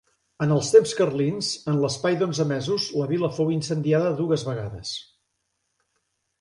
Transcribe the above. En els temps carlins, en l'espai d'onze mesos, la vila fou incendiada dues vegades.